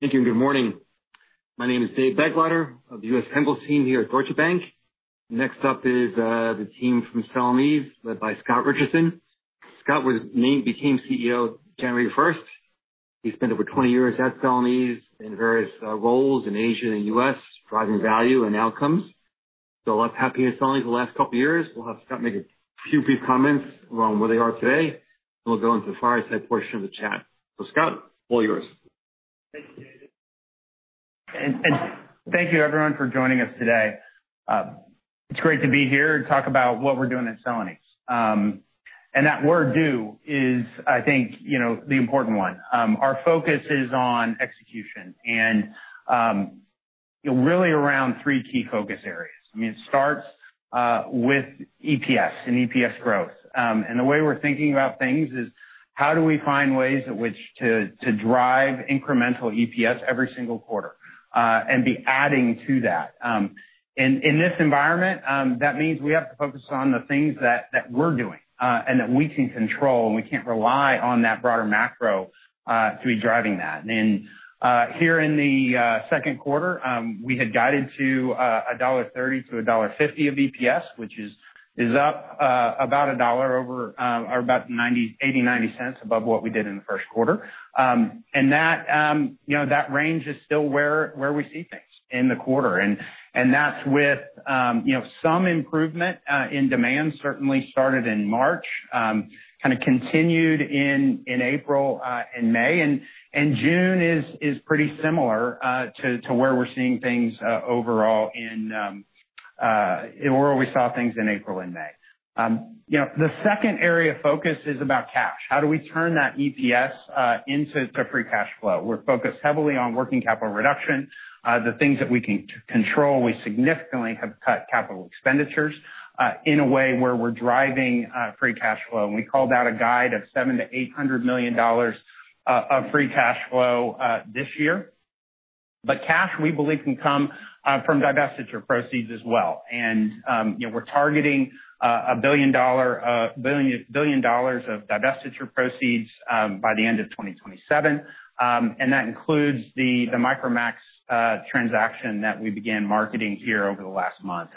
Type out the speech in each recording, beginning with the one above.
Thank you, and good morning. My name is Dave Begleiter of the U.S. Pencils team here at Deutsche Bank. Next up is the team from Celanese, led by Scott Richardson. Scott became CEO January 1. He spent over 20 years at Celanese in various roles in Asia and the U.S., driving value and outcomes. So I'll have happy Celanese the last couple of years. We'll have Scott make a few brief comments on where they are today, and we'll go into the fireside portion of the chat. Scott, all yours. Thank you, David. Thank you, everyone, for joining us today. It is great to be here and talk about what we are doing at Celanese. That word "do" is, I think, the important one. Our focus is on execution and really around three key focus areas. I mean, it starts with EPS and EPS growth. The way we are thinking about things is, how do we find ways in which to drive incremental EPS every single quarter and be adding to that? In this environment, that means we have to focus on the things that we are doing and that we can control, and we cannot rely on that broader macro to be driving that. Here in the second quarter, we had guided to $1.30-$1.50 of EPS, which is up about $1 or about $0.80-$0.90 above what we did in the first quarter. That range is still where we see things in the quarter. That is with some improvement in demand, certainly started in March, kind of continued in April and May. June is pretty similar to where we are seeing things overall or we saw things in April and May. The second area of focus is about cash. How do we turn that EPS into free cash flow? We are focused heavily on working capital reduction. The things that we can control, we significantly have cut capital expenditures in a way where we are driving free cash flow. We called out a guide of $700 million-$800 million of free cash flow this year. Cash, we believe, can come from divestiture proceeds as well. We are targeting $1 billion of divestiture proceeds by the end of 2027. That includes the Micromax transaction that we began marketing here over the last month.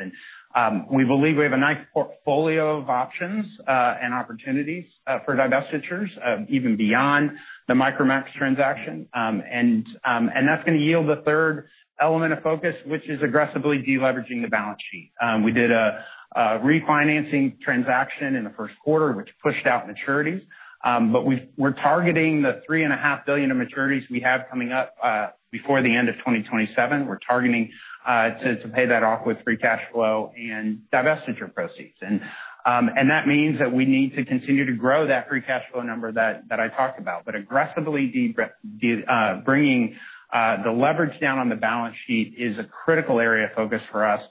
We believe we have a nice portfolio of options and opportunities for divestitures, even beyond the Micromax transaction. That is going to yield the third element of focus, which is aggressively deleveraging the balance sheet. We did a refinancing transaction in the first quarter, which pushed out maturities. We are targeting the $3.5 billion of maturities we have coming up before the end of 2027. We are targeting to pay that off with free cash flow and divestiture proceeds. That means that we need to continue to grow that free cash flow number that I talked about. Aggressively bringing the leverage down on the balance sheet is a critical area of focus for us.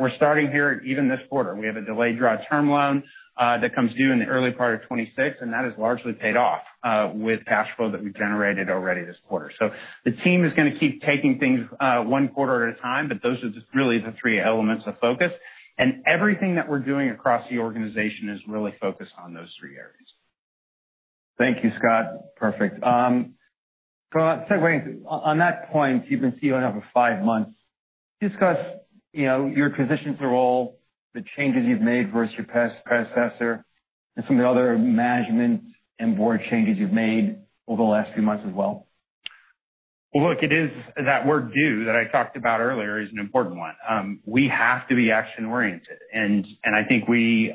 We're starting here, even this quarter, we have a delayed draw term loan that comes due in the early part of 2026, and that is largely paid off with cash flow that we generated already this quarter. The team is going to keep taking things one quarter at a time, but those are just really the three elements of focus. Everything that we're doing across the organization is really focused on those three areas. Thank you, Scott. Perfect. On that point, you've been COO for five months. Discuss your transitions to the role, the changes you've made versus your predecessor, and some of the other management and board changes you've made over the last few months as well. It is that word "do" that I talked about earlier is an important one. We have to be action-oriented. I think we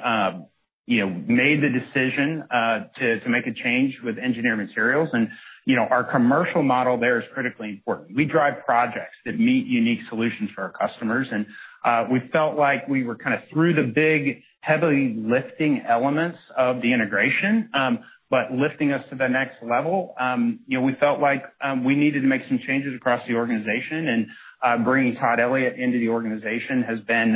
made the decision to make a change with engineering materials. Our commercial model there is critically important. We drive projects that meet unique solutions for our customers. We felt like we were kind of through the big, heavy lifting elements of the integration, but lifting us to the next level. We felt like we needed to make some changes across the organization. Bringing Todd Elliott into the organization has been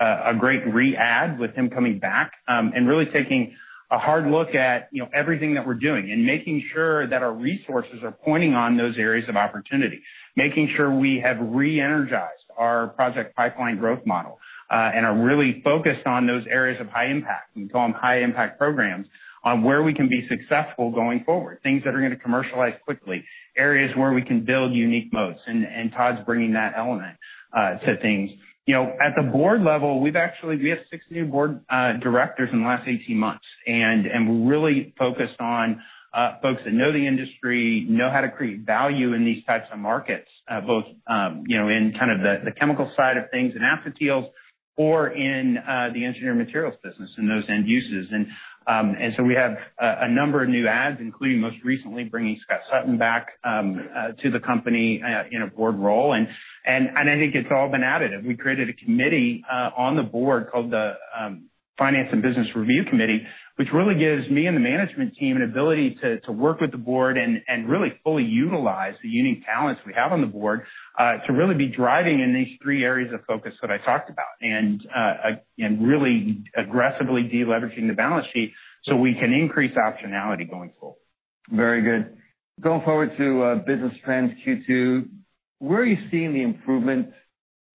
a great re-add with him coming back and really taking a hard look at everything that we are doing and making sure that our resources are pointing on those areas of opportunity, making sure we have re-energized our project pipeline growth model and are really focused on those areas of high impact. We call them high-impact programs on where we can be successful going forward, things that are going to commercialize quickly, areas where we can build unique moats. Todd's bringing that element to things. At the board level, we have six new board directors in the last 18 months. We are really focused on folks that know the industry, know how to create value in these types of markets, both in kind of the chemical side of things and acetyls or in the engineering materials business and those end uses. We have a number of new adds, including most recently bringing Scott Sutton back to the company in a board role. I think it's all been additive. We created a committee on the board called the Finance and Business Review Committee, which really gives me and the management team an ability to work with the board and really fully utilize the unique talents we have on the board to really be driving in these three areas of focus that I talked about and really aggressively deleveraging the balance sheet so we can increase optionality going forward. Very good. Going forward to business plans Q2, where are you seeing the improvement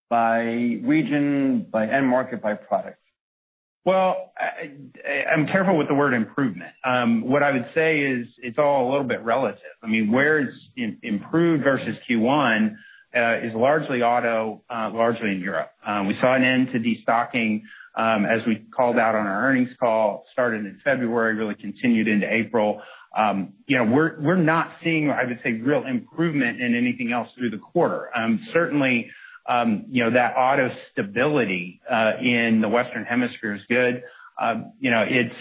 by region, by end market, by product? I'm careful with the word "improvement." What I would say is it's all a little bit relative. I mean, where it's improved versus Q1 is largely auto, largely in Europe. We saw an end to destocking, as we called out on our earnings call, started in February, really continued into April. We're not seeing, I would say, real improvement in anything else through the quarter. Certainly, that auto stability in the Western Hemisphere is good.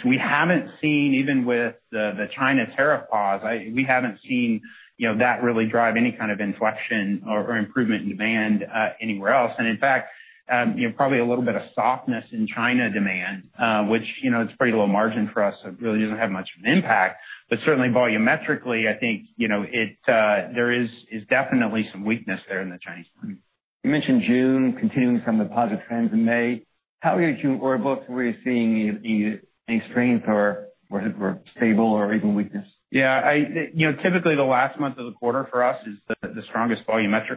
We haven't seen, even with the China tariff pause, we haven't seen that really drive any kind of inflection or improvement in demand anywhere else. In fact, probably a little bit of softness in China demand, which it's pretty low margin for us, so it really doesn't have much of an impact. Certainly, volumetrically, I think there is definitely some weakness there in the Chinese market. You mentioned June, continuing some of the positive trends in May. How are you or both where you're seeing any strength or stable or even weakness? Yeah. Typically, the last month of the quarter for us is the strongest volumetric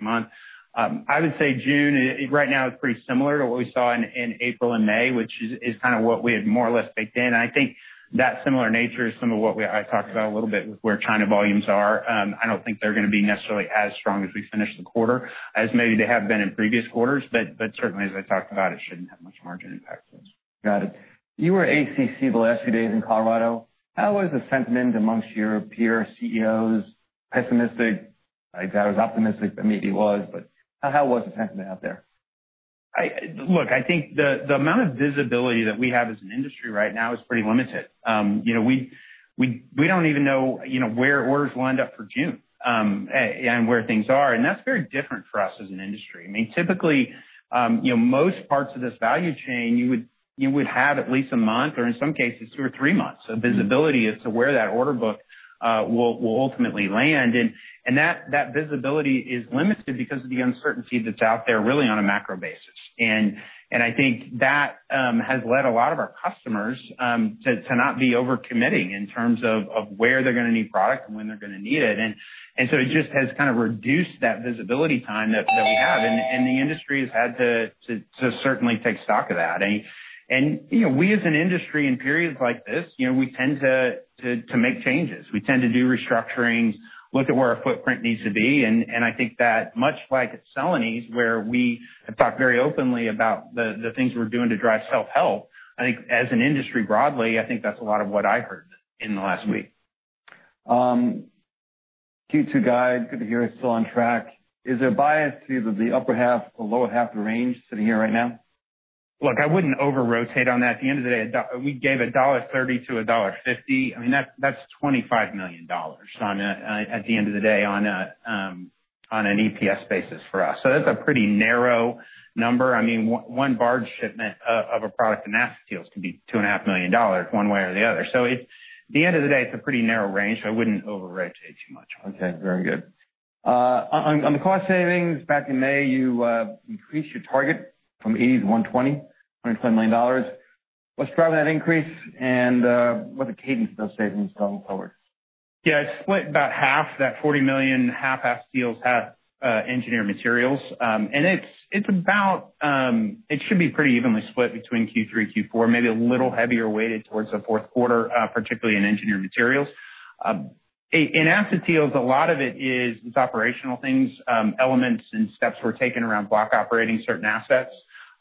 month. I would say June, right now, is pretty similar to what we saw in April and May, which is kind of what we had more or less baked in. I think that similar nature is some of what I talked about a little bit with where China volumes are. I do not think they are going to be necessarily as strong as we finish the quarter as maybe they have been in previous quarters. Certainly, as I talked about, it should not have much margin impact. Got it. You were at ACC the last few days in Colorado. How was the sentiment amongst your peer CEOs? Pessimistic? I guess I was optimistic, but maybe it was. How was the sentiment out there? Look, I think the amount of visibility that we have as an industry right now is pretty limited. We do not even know where orders will end up for June and where things are. That is very different for us as an industry. I mean, typically, most parts of this value chain, you would have at least a month or, in some cases, two or three months of visibility as to where that order book will ultimately land. That visibility is limited because of the uncertainty that is out there really on a macro basis. I think that has led a lot of our customers to not be overcommitting in terms of where they are going to need product and when they are going to need it. It just has kind of reduced that visibility time that we have. The industry has had to certainly take stock of that. We, as an industry, in periods like this, tend to make changes. We tend to do restructurings, look at where our footprint needs to be. I think that, much like at Celanese, where we have talked very openly about the things we're doing to drive self-help, as an industry broadly, I think that's a lot of what I heard in the last week. Q2 guide, good to hear it's still on track. Is there bias to either the upper half or lower half of the range sitting here right now? Look, I would not over-rotate on that. At the end of the day, we gave $1.30-$1.50. I mean, that is $25 million, at the end of the day, on an EPS basis for us. That is a pretty narrow number. I mean, one barge shipment of a product in acetyls could be $2.5 million one way or the other. At the end of the day, it is a pretty narrow range. I would not over-rotate too much. Okay. Very good. On the cost savings, back in May, you increased your target from $80 million to $120 million. What's driving that increase? What's the cadence of those savings going forward? Yeah. It is split about half, that $40 million, half acetyls, half engineering materials. It should be pretty evenly split between Q3 and Q4, maybe a little heavier weighted towards the fourth quarter, particularly in engineering materials. In acetyls, a lot of it is operational things, elements and steps we are taking around block operating certain assets.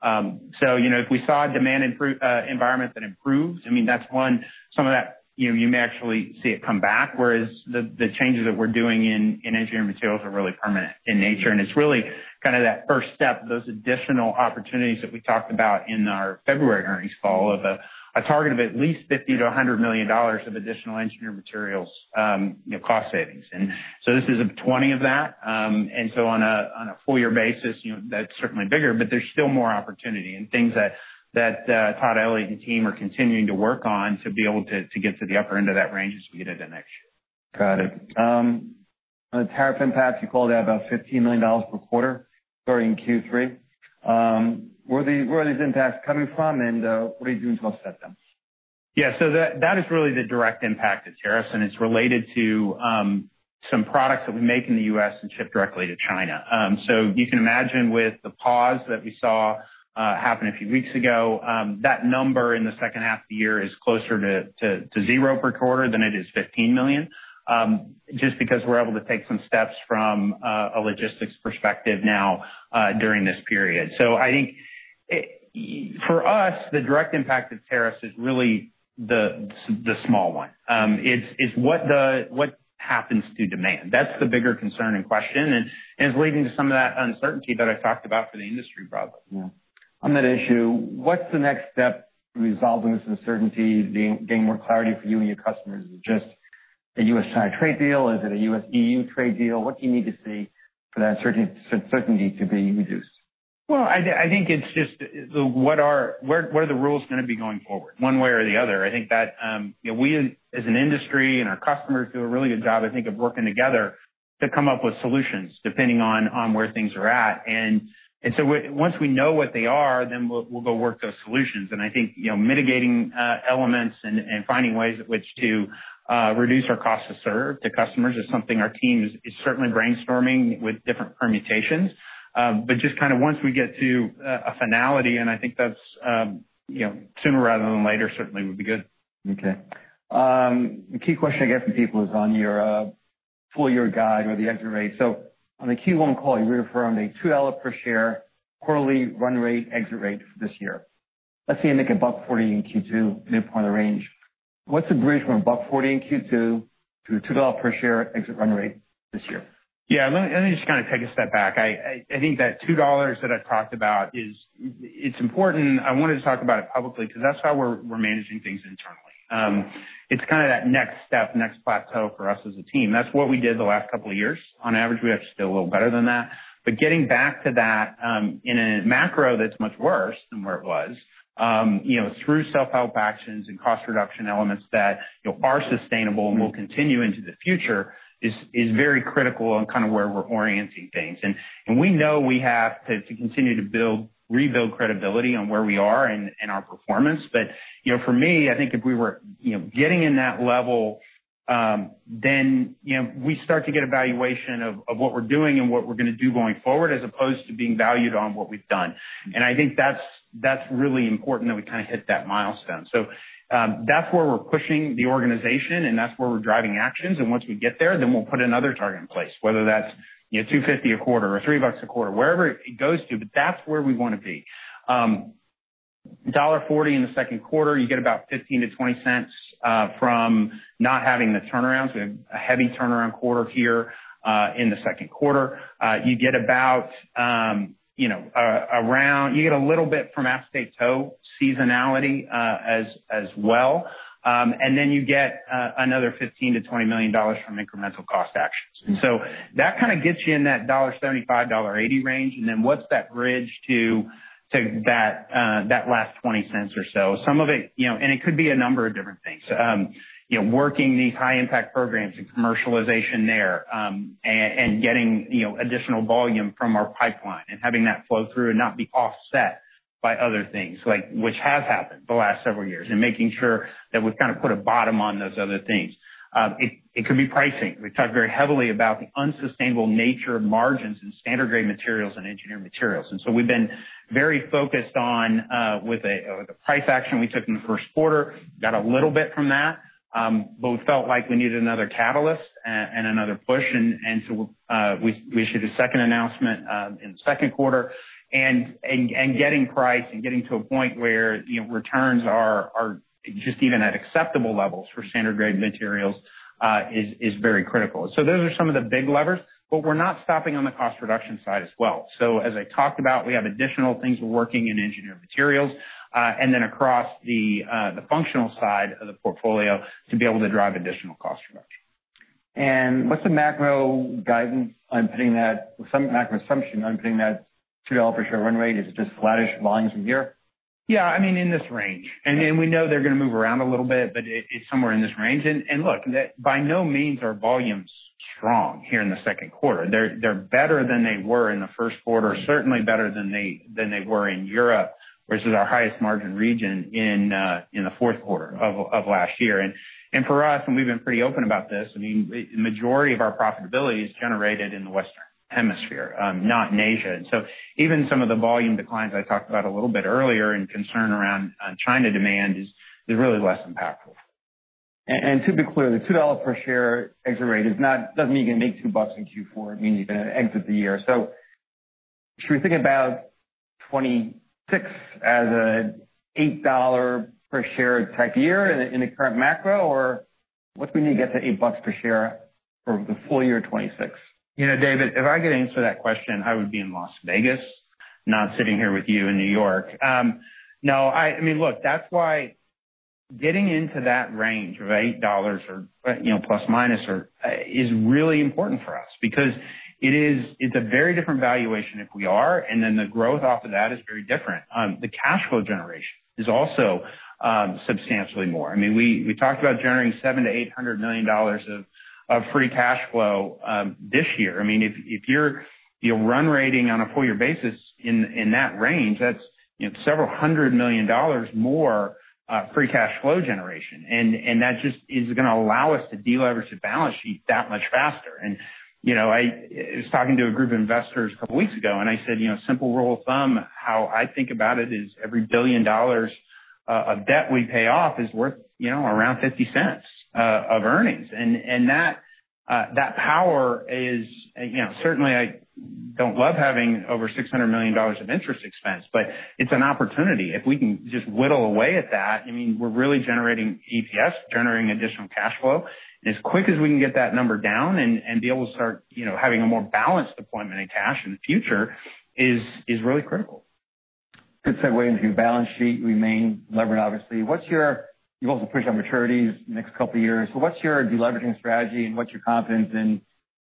If we saw a demand environment that improved, I mean, that is one. Some of that, you may actually see it come back, whereas the changes that we are doing in engineering materials are really permanent in nature. It is really kind of that first step, those additional opportunities that we talked about in our February earnings call of a target of at least $50 million-$100 million of additional engineering materials cost savings. This is $20 million of that. On a four-year basis, that's certainly bigger, but there's still more opportunity and things that Todd Elliott and team are continuing to work on to be able to get to the upper end of that range as we get into next year. Got it. On the tariff impacts, you called out about $15 million per quarter during Q3. Where are these impacts coming from? What are you doing to offset them? Yeah. That is really the direct impact of tariffs. It's related to some products that we make in the U.S. and ship directly to China. You can imagine with the pause that we saw happen a few weeks ago, that number in the second half of the year is closer to zero per quarter than it is $15 million, just because we're able to take some steps from a logistics perspective now during this period. I think for us, the direct impact of tariffs is really the small one. It's what happens to demand. That's the bigger concern in question. It's leading to some of that uncertainty that I talked about for the industry broadly. Yeah. On that issue, what's the next step to resolving this uncertainty, gaining more clarity for you and your customers? Is it just a U.S.-China trade deal? Is it a U.S.-EU trade deal? What do you need to see for that certainty to be reduced? I think it's just what are the rules going to be going forward one way or the other? I think that we, as an industry and our customers, do a really good job, I think, of working together to come up with solutions depending on where things are at. Once we know what they are, then we'll go work those solutions. I think mitigating elements and finding ways in which to reduce our cost to serve to customers is something our team is certainly brainstorming with different permutations. Just kind of once we get to a finality, and I think that's sooner rather than later, certainly would be good. Okay. A key question I get from people is on your full-year guide or the exit rate. On the Q1 call, you reaffirmed a $2 per share quarterly run rate exit rate for this year. Let's say you make $1.40 in Q2, midpoint of range. What's the bridge from $1.40 in Q2 to a $2 per share exit run rate this year? Yeah. Let me just kind of take a step back. I think that $2 that I've talked about, it's important. I wanted to talk about it publicly because that's how we're managing things internally. It's kind of that next step, next plateau for us as a team. That's what we did the last couple of years. On average, we actually did a little better than that. Getting back to that in a macro that's much worse than where it was, through self-help actions and cost reduction elements that are sustainable and will continue into the future is very critical on kind of where we're orienting things. We know we have to continue to rebuild credibility on where we are and our performance. For me, I think if we were getting in that level, then we start to get evaluation of what we're doing and what we're going to do going forward as opposed to being valued on what we've done. I think that's really important that we kind of hit that milestone. That's where we're pushing the organization, and that's where we're driving actions. Once we get there, then we'll put another target in place, whether that's $2.50 a quarter or $3 a quarter, wherever it goes to. That's where we want to be. $1.40 in the second quarter, you get about $0.15-$0.20 from not having the turnarounds. We have a heavy turnaround quarter here in the second quarter. You get a little bit from acetate toe seasonality as well. You get another $15 million-$20 million from incremental cost actions. That kind of gets you in that $1.75-$1.80 range. What is that bridge to that last $0.20 or so? Some of it, and it could be a number of different things, working these high-impact programs and commercialization there and getting additional volume from our pipeline and having that flow through and not be offset by other things, which have happened the last several years, and making sure that we have kind of put a bottom on those other things. It could be pricing. We have talked very heavily about the unsustainable nature of margins in standard-grade materials and engineering materials. We have been very focused on, with the price action we took in the first quarter, got a little bit from that, but we felt like we needed another catalyst and another push. We issued a second announcement in the second quarter. Getting price and getting to a point where returns are just even at acceptable levels for standard-grade materials is very critical. Those are some of the big levers. We are not stopping on the cost reduction side as well. As I talked about, we have additional things we are working in engineering materials and then across the functional side of the portfolio to be able to drive additional cost reduction. What's the macro guidance? I'm putting that with some macro assumption. I'm putting that $2 per share run rate. Is it just flattish volumes from here? Yeah. I mean, in this range. We know they're going to move around a little bit, but it's somewhere in this range. By no means are volumes strong here in the second quarter. They're better than they were in the first quarter, certainly better than they were in Europe, which is our highest margin region in the fourth quarter of last year. For us, and we've been pretty open about this, the majority of our profitability is generated in the Western Hemisphere, not in Asia. Even some of the volume declines I talked about a little bit earlier and concern around China demand is really less impactful. To be clear, the $2 per share exit rate does not mean you are going to make $2 in Q4. It means you are going to exit the year. Should we think about 2026 as an $8 per share type year in the current macro, or what do we need to get to $8 per share for the full year of 2026? David, if I could answer that question, I would be in Las Vegas, not sitting here with you in New York. No. I mean, look, that is why getting into that range of $8± is really important for us because it is a very different valuation if we are, and then the growth off of that is very different. The cash flow generation is also substantially more. I mean, we talked about generating $700 million-$800 million of free cash flow this year. I mean, if you are run rating on a four-year basis in that range, that is several hundred million dollars more free cash flow generation. That just is going to allow us to deleverage the balance sheet that much faster. I was talking to a group of investors a couple of weeks ago, and I said, "Simple rule of thumb, how I think about it is every billion dollars of debt we pay off is worth around $0.50 of earnings." That power is certainly, I do not love having over $600 million of interest expense, but it is an opportunity. If we can just whittle away at that, I mean, we are really generating EPS, generating additional cash flow. As quick as we can get that number down and be able to start having a more balanced deployment of cash in the future is really critical. Good segue into balance sheet. We remain levered, obviously. You've also pushed on maturities the next couple of years. What's your deleveraging strategy, and what's your confidence in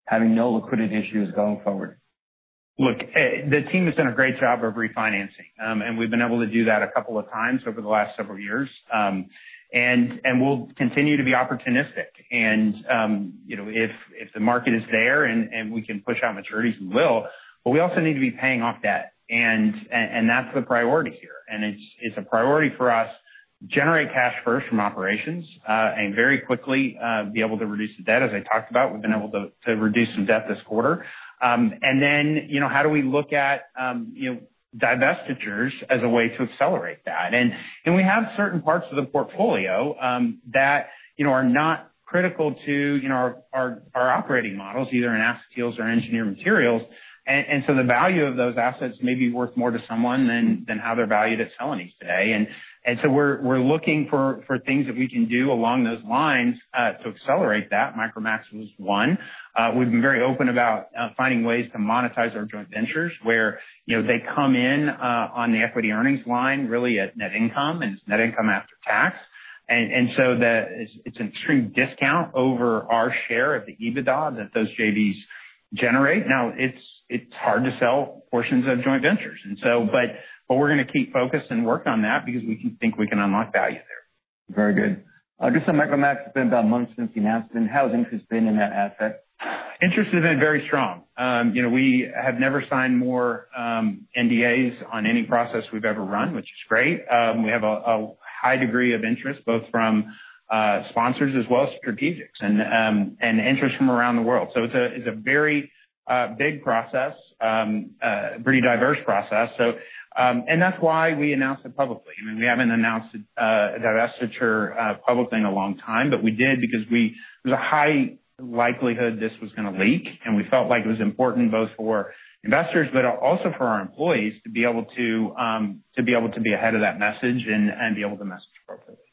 having no liquidity issues going forward? Look, the team has done a great job of refinancing. We have been able to do that a couple of times over the last several years. We will continue to be opportunistic. If the market is there and we can push out maturities, we will. We also need to be paying off debt. That is the priority here. It is a priority for us to generate cash first from operations and very quickly be able to reduce the debt. As I talked about, we have been able to reduce some debt this quarter. How do we look at divestitures as a way to accelerate that? We have certain parts of the portfolio that are not critical to our operating models, either in acetyls or engineering materials. The value of those assets may be worth more to someone than how they are valued at Celanese today. We are looking for things that we can do along those lines to accelerate that. Micromax was one. We have been very open about finding ways to monetize our joint ventures where they come in on the equity earnings line, really at net income, and it is net income after tax. It is an extreme discount over our share of the EBITDA that those JVs generate. Now, it is hard to sell portions of joint ventures. We are going to keep focused and work on that because we think we can unlock value there. Very good. Just on Micromax, it's been about a month since the announcement. How has interest been in that asset? Interest has been very strong. We have never signed more NDAs on any process we've ever run, which is great. We have a high degree of interest, both from sponsors as well as strategics and interest from around the world. It is a very big process, a pretty diverse process. That is why we announced it publicly. I mean, we have not announced a divestiture publicly in a long time, but we did because there was a high likelihood this was going to leak. We felt like it was important both for investors, but also for our employees to be able to be ahead of that message and be able to message appropriately.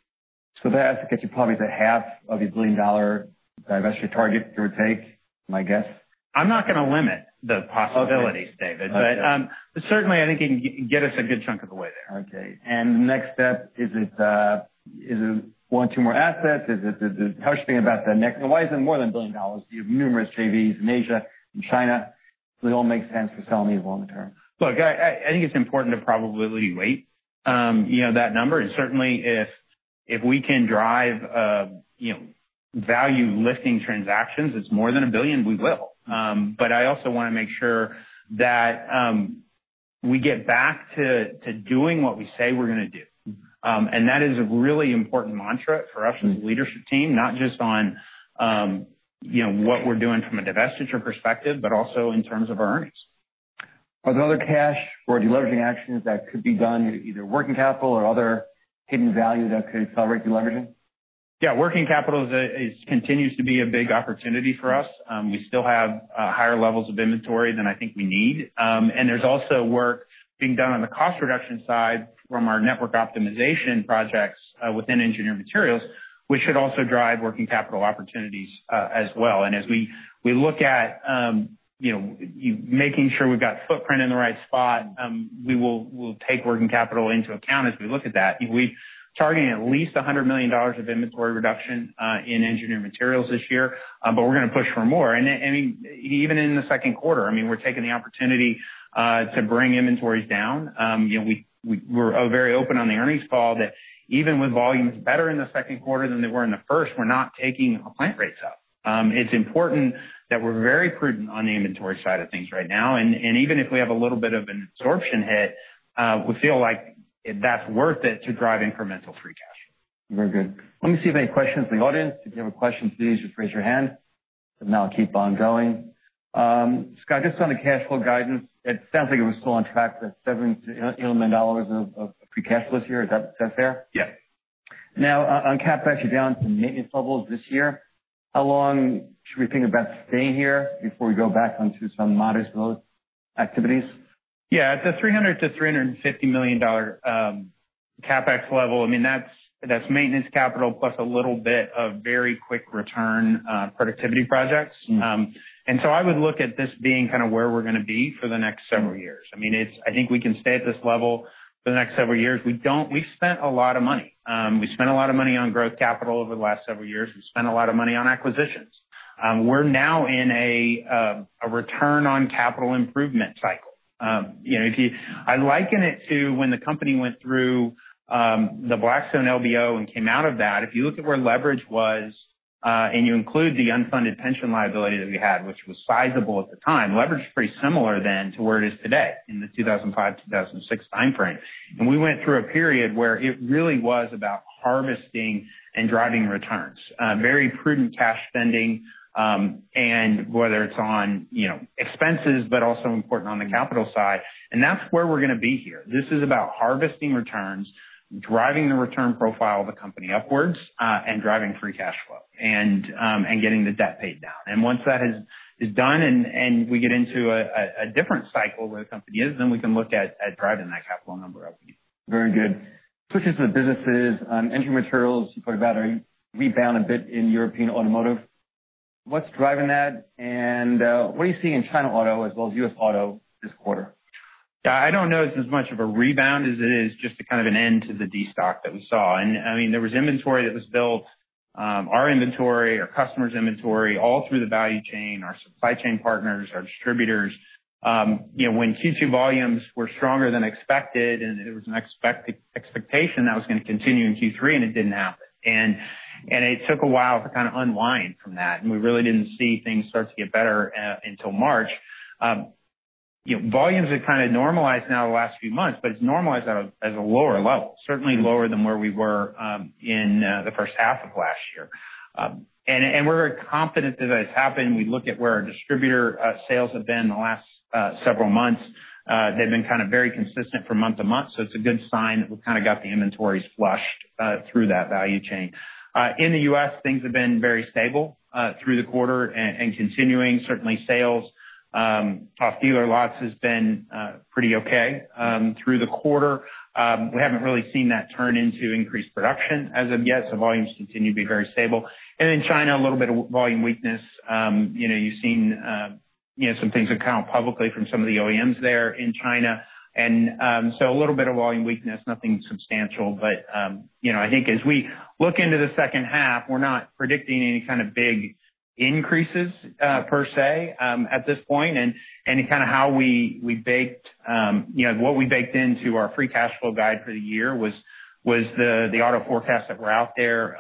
That has to catch probably the half of your $1 billion divestiture target, give or take, my guess. I'm not going to limit the possibilities, David. Certainly, I think it can get us a good chunk of the way there. Okay. The next step, is it one or two more assets? How are you feeling about the next? Why is it more than $1 billion? You have numerous JVs in Asia and China. Does it all make sense for Celanese longer term? Look, I think it's important to probably wait that number. Certainly, if we can drive value-lifting transactions that's more than a billion, we will. I also want to make sure that we get back to doing what we say we're going to do. That is a really important mantra for us as a leadership team, not just on what we're doing from a divestiture perspective, but also in terms of our earnings. Are there other cash or deleveraging actions that could be done, either working capital or other hidden value that could accelerate deleveraging? Yeah. Working capital continues to be a big opportunity for us. We still have higher levels of inventory than I think we need. There is also work being done on the cost reduction side from our network optimization projects within engineering materials, which should also drive working capital opportunities as well. As we look at making sure we have got footprint in the right spot, we will take working capital into account as we look at that. We are targeting at least $100 million of inventory reduction in engineering materials this year, but we are going to push for more. Even in the second quarter, I mean, we are taking the opportunity to bring inventories down. We are very open on the earnings call that even with volumes better in the second quarter than they were in the first, we are not taking plant rates up. It's important that we're very prudent on the inventory side of things right now. Even if we have a little bit of an absorption hit, we feel like that's worth it to drive incremental free cash flow. Very good. Let me see if I have questions from the audience. If you have a question, please just raise your hand. I'll keep on going. Scott, just on the cash flow guidance, it sounds like it was still on track for $7 million of free cash flow this year. Is that fair? Yes. Now, on CapEx down to maintenance levels this year, how long should we think about staying here before we go back onto some modest growth activities? Yeah. At the $300 million-$350 million CapEx level, I mean, that's maintenance capital plus a little bit of very quick return productivity projects. I would look at this being kind of where we're going to be for the next several years. I mean, I think we can stay at this level for the next several years. We've spent a lot of money. We spent a lot of money on growth capital over the last several years. We spent a lot of money on acquisitions. We're now in a return on capital improvement cycle. I liken it to when the company went through the Blackstone LBO and came out of that. If you look at where leverage was and you include the unfunded pension liability that we had, which was sizable at the time, leverage is pretty similar then to where it is today in the 2005, 2006 timeframe. We went through a period where it really was about harvesting and driving returns, very prudent cash spending, and whether it is on expenses, but also important on the capital side. That is where we are going to be here. This is about harvesting returns, driving the return profile of the company upwards, and driving free cash flow and getting the debt paid down. Once that is done and we get into a different cycle where the company is, then we can look at driving that capital number up again. Very good. Switching to the businesses, engineering materials, you talked about a rebound a bit in European automotive. What's driving that? And what are you seeing in China auto as well as U.S. auto this quarter? Yeah. I do not know if it is as much of a rebound as it is just kind of an end to the destock that we saw. I mean, there was inventory that was built, our inventory, our customers' inventory, all through the value chain, our supply chain partners, our distributors. When Q2 volumes were stronger than expected, and there was an expectation that was going to continue in Q3, it did not happen. It took a while to kind of unwind from that. We really did not see things start to get better until March. Volumes have kind of normalized now the last few months, but it is normalized at a lower level, certainly lower than where we were in the first half of last year. We are very confident that that has happened. We look at where our distributor sales have been in the last several months. They've been kind of very consistent from month to month. It is a good sign that we've kind of got the inventories flushed through that value chain. In the U.S., things have been very stable through the quarter and continuing. Certainly, sales, soft dealer lots has been pretty okay through the quarter. We haven't really seen that turn into increased production as of yet. Volumes continue to be very stable. In China, a little bit of volume weakness. You've seen some things have come out publicly from some of the OEMs there in China. A little bit of volume weakness, nothing substantial. I think as we look into the second half, we're not predicting any kind of big increases per se at this point. Kind of how we baked, what we baked into our free cash flow guide for the year was the auto forecast that were out there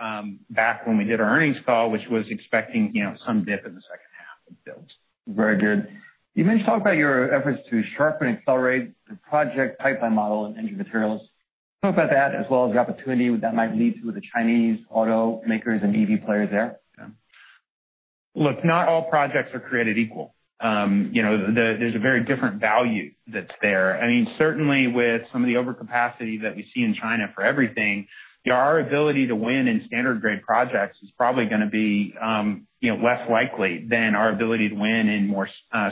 back when we did our earnings call, which was expecting some dip in the second half of the build. Very good. You mentioned talking about your efforts to sharpen and accelerate the project pipeline model in engineering materials. Talk about that as well as the opportunity that might lead to with the Chinese automakers and EV players there. Look, not all projects are created equal. There is a very different value that is there. I mean, certainly with some of the overcapacity that we see in China for everything, our ability to win in standard-grade projects is probably going to be less likely than our ability to win in more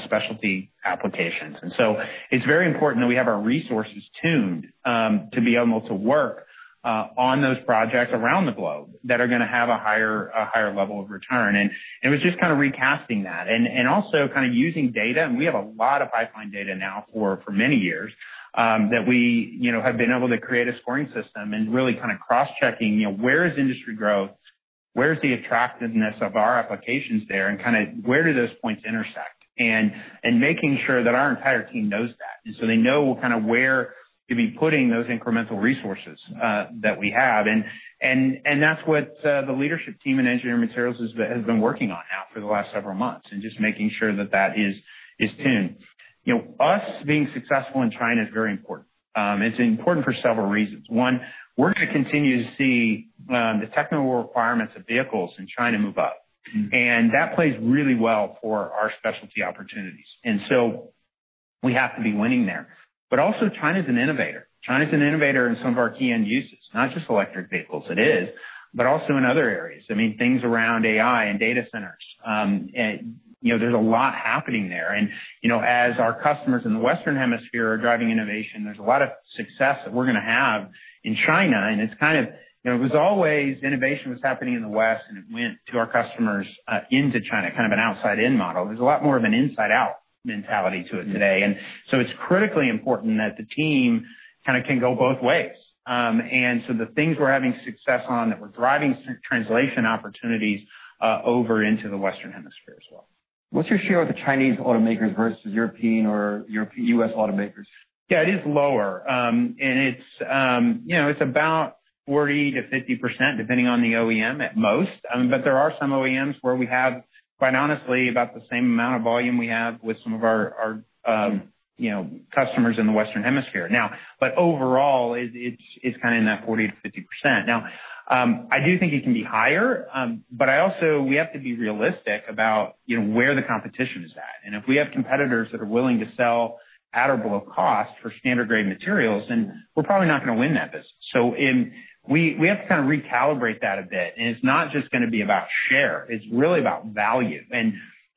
specialty applications. It is very important that we have our resources tuned to be able to work on those projects around the globe that are going to have a higher level of return. It was just kind of recasting that and also kind of using data. We have a lot of pipeline data now for many years that we have been able to create a scoring system and really kind of cross-checking where is industry growth, where is the attractiveness of our applications there, and kind of where do those points intersect, making sure that our entire team knows that. They know kind of where to be putting those incremental resources that we have. That is what the leadership team in engineering materials has been working on now for the last several months, just making sure that that is tuned. Us being successful in China is very important. It is important for several reasons. One, we are going to continue to see the technical requirements of vehicles in China move up. That plays really well for our specialty opportunities. We have to be winning there. China is an innovator. China is an innovator in some of our key end uses, not just electric vehicles. It is, but also in other areas. I mean, things around AI and data centers. There is a lot happening there. As our customers in the Western Hemisphere are driving innovation, there is a lot of success that we are going to have in China. It was always innovation was happening in the West, and it went to our customers into China, kind of an outside-in model. There is a lot more of an inside-out mentality to it today. It is critically important that the team kind of can go both ways. The things we are having success on that we are driving translation opportunities over into the Western Hemisphere as well. What's your share of the Chinese automakers versus European or U.S. automakers? Yeah. It is lower. And it's about 40%-50%, depending on the OEM at most. But there are some OEMs where we have, quite honestly, about the same amount of volume we have with some of our customers in the Western Hemisphere. Now, overall, it's kind of in that 40%-50%. I do think it can be higher, but we have to be realistic about where the competition is at. If we have competitors that are willing to sell at or below cost for standard-grade materials, then we're probably not going to win that business. We have to kind of recalibrate that a bit. It's not just going to be about share. It's really about value.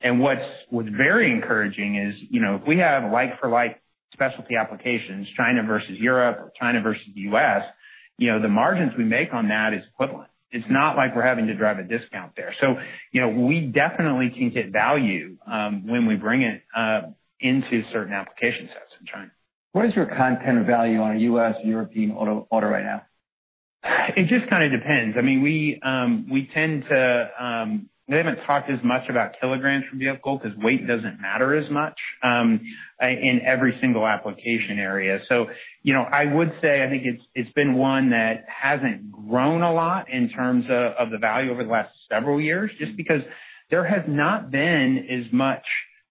What's very encouraging is if we have like-for-like specialty applications, China versus Europe or China versus the U.S., the margins we make on that is equivalent. It's not like we're having to drive a discount there. We definitely can get value when we bring it into certain application sets in China. What is your content value on a U.S. or European auto right now? It just kind of depends. I mean, we tend to, we haven't talked as much about kilograms per vehicle because weight doesn't matter as much in every single application area. I would say I think it's been one that hasn't grown a lot in terms of the value over the last several years just because there has not been as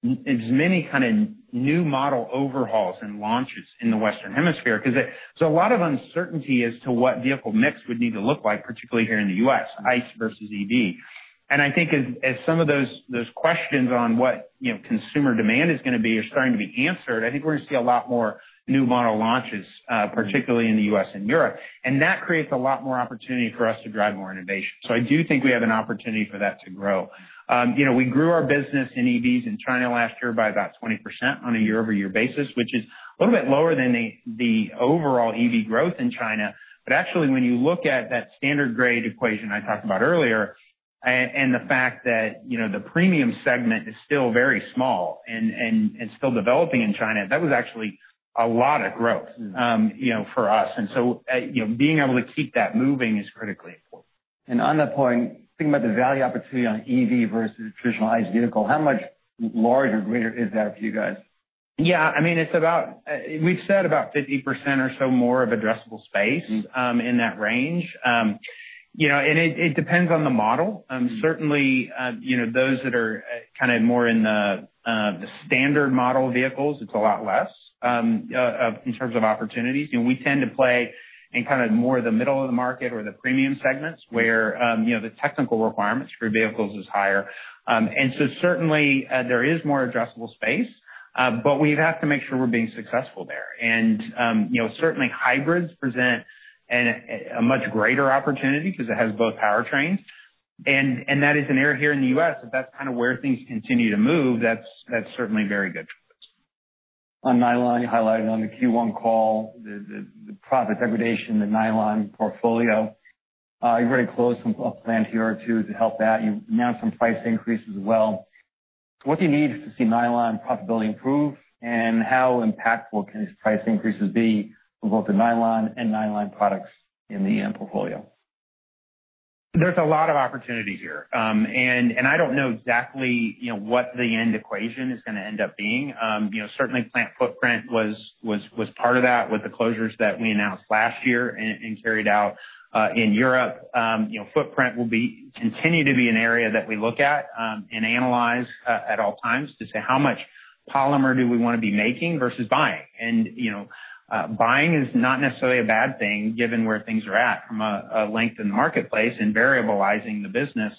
many kind of new model overhauls and launches in the Western Hemisphere. There is a lot of uncertainty as to what vehicle mix would need to look like, particularly here in the U.S., ICE versus EV. I think as some of those questions on what consumer demand is going to be are starting to be answered, I think we're going to see a lot more new model launches, particularly in the U.S. and Europe. That creates a lot more opportunity for us to drive more innovation. I do think we have an opportunity for that to grow. We grew our business in EVs in China last year by about 20% on a year-over-year basis, which is a little bit lower than the overall EV growth in China. Actually, when you look at that standard-grade equation I talked about earlier and the fact that the premium segment is still very small and still developing in China, that was actually a lot of growth for us. Being able to keep that moving is critically important. On that point, thinking about the value opportunity on EV versus traditional ICE vehicle, how much larger or greater is that for you guys? Yeah. I mean, we've said about 50% or so more of addressable space in that range. It depends on the model. Certainly, those that are kind of more in the standard model vehicles, it's a lot less in terms of opportunities. We tend to play in kind of more the middle of the market or the premium segments where the technical requirements for vehicles are higher. There is more addressable space, but we have to make sure we're being successful there. Certainly, hybrids present a much greater opportunity because it has both powertrains. That is an area here in the U.S. If that's kind of where things continue to move, that's certainly very good. On nylon, you highlighted on the Q1 call, the profit degradation, the nylon portfolio. You're very close on a plan too to help that. You announced some price increases as well. What do you need to see nylon profitability improve? How impactful can these price increases be for both the nylon and nylon products in the portfolio? is a lot of opportunity here. I do not know exactly what the end equation is going to end up being. Certainly, plant footprint was part of that with the closures that we announced last year and carried out in Europe. Footprint will continue to be an area that we look at and analyze at all times to say how much polymer do we want to be making versus buying. Buying is not necessarily a bad thing given where things are at from a length in the marketplace, and variabilizing the business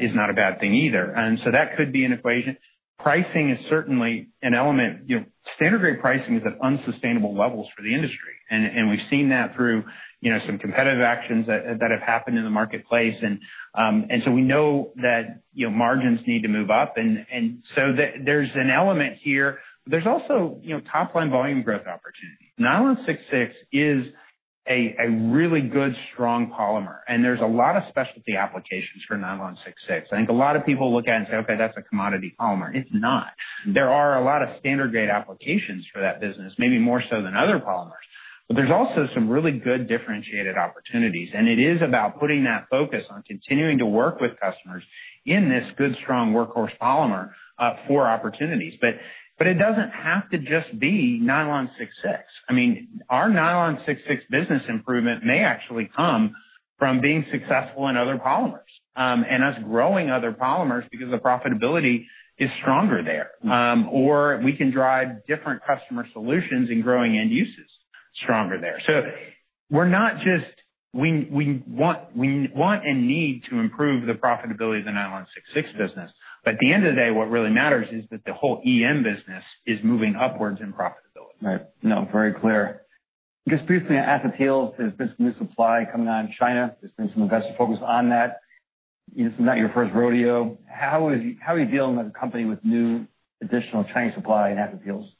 is not a bad thing either. That could be an equation. Pricing is certainly an element. Standard-grade pricing is at unsustainable levels for the industry. We have seen that through some competitive actions that have happened in the marketplace. We know that margins need to move up. There is an element here. There's also top-line volume growth opportunity. Nylon 66 is a really good, strong polymer. And there's a lot of specialty applications for nylon 66. I think a lot of people look at it and say, "Okay, that's a commodity polymer." It's not. There are a lot of standard-grade applications for that business, maybe more so than other polymers. But there's also some really good differentiated opportunities. It is about putting that focus on continuing to work with customers in this good, strong workhorse polymer for opportunities. It doesn't have to just be nylon 66. I mean, our nylon 66 business improvement may actually come from being successful in other polymers and us growing other polymers because the profitability is stronger there. Or we can drive different customer solutions and growing end uses stronger there. We're not just we want and need to improve the profitability of the nylon 66 business. But at the end of the day, what really matters is that the whole EM business is moving upwards in profitability. Right. No. Very clear. Just briefly, at the tails, there's this new supply coming out of China. There's been some investor focus on that. It's not your first rodeo. How are you dealing with a company with new additional Chinese supply and after deals?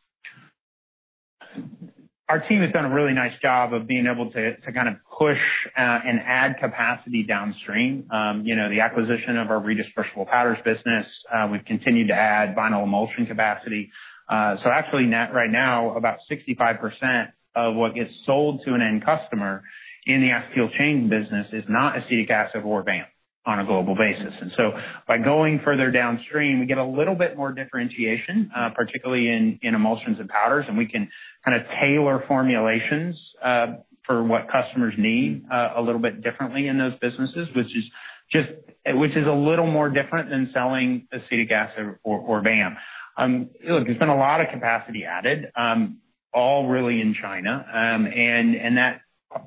Our team has done a really nice job of being able to kind of push and add capacity downstream. The acquisition of our redispersible powders business, we've continued to add vinyl emulsion capacity. Actually, right now, about 65% of what gets sold to an end customer in the acetyl chain business is not acetic acid or VAM on a global basis. By going further downstream, we get a little bit more differentiation, particularly in emulsions and powders. We can kind of tailor formulations for what customers need a little bit differently in those businesses, which is a little more different than selling acetic acid or VAM. Look, there has been a lot of capacity added, all really in China.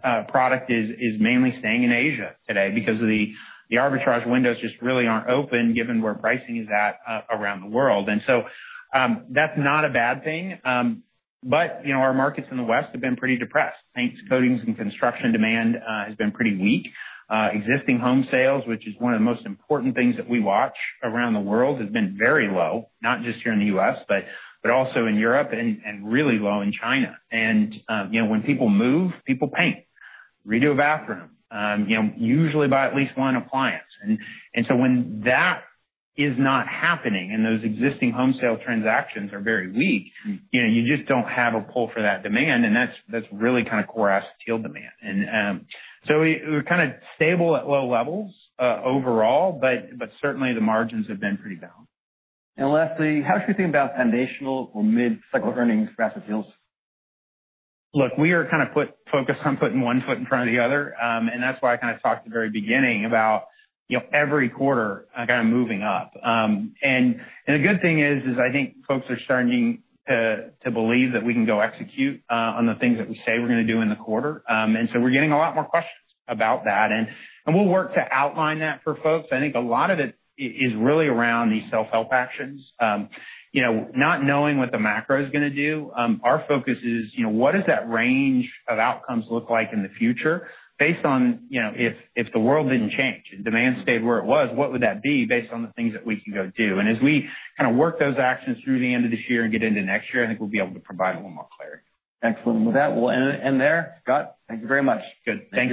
That product is mainly staying in Asia today because the arbitrage windows just really are not open given where pricing is at around the world. That is not a bad thing. Our markets in the West have been pretty depressed. Paints, coatings, and construction demand has been pretty weak. Existing home sales, which is one of the most important things that we watch around the world, have been very low, not just here in the U.S., but also in Europe and really low in China. When people move, people paint, redo a bathroom, usually buy at least one appliance. When that is not happening and those existing home sale transactions are very weak, you just do not have a pull for that demand. That is really kind of core acetyl demand. We are kind of stable at low levels overall, but certainly the margins have been pretty balanced. Lastly, how should we think about foundational or mid-cycle earnings for acetyls? Look, we are kind of focused on putting one foot in front of the other. That is why I kind of talked at the very beginning about every quarter kind of moving up. The good thing is I think folks are starting to believe that we can go execute on the things that we say we are going to do in the quarter. We are getting a lot more questions about that. We will work to outline that for folks. I think a lot of it is really around these self-help actions. Not knowing what the macro is going to do, our focus is what does that range of outcomes look like in the future based on if the world did not change and demand stayed where it was, what would that be based on the things that we can go do? As we kind of work those actions through the end of this year and get into next year, I think we'll be able to provide a little more clarity. Excellent. With that, we'll end there. Scott, thank you very much. Good. Thanks.